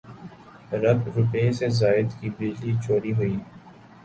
رب روپے سے زائد کی بجلی چوری ہوئی